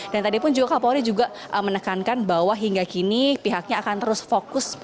dan tadi pun juga kak polri juga menekankan bahwa hingga kini pihaknya akan terus fokus